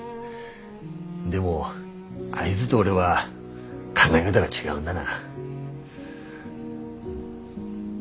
でもあいづど俺は考え方が違うんだな。